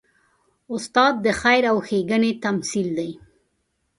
استاد د خیر او ښېګڼې تمثیل دی.